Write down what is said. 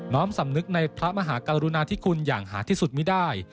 ้อมสำนึกในพระมหากรุณาธิคุณอย่างหาที่สุดไม่ได้